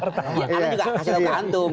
karena juga hasil kandung